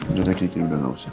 udah ada kiki udah gak usah